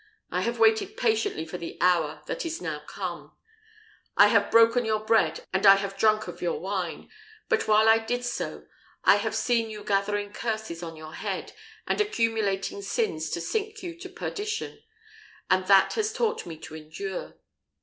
I have waited patiently for the hour that is now come; I have broken your bread, and I have drunk of your wine; but while I did so, I have seen you gathering curses on your head, and accumulating sins to sink you to perdition, and that has taught me to endure.